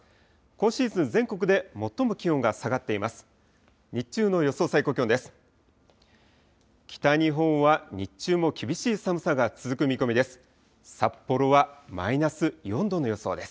今シーズン、全国で最も気温が下がっています。